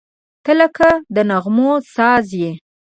• ته لکه د نغمو ساز یې.